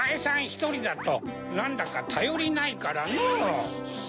ひとりだとなんだかたよりないからのう。